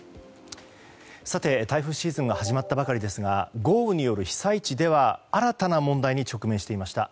さて、台風シーズンが始まったばかりですが豪雨による被災地では新たな問題に直面していました。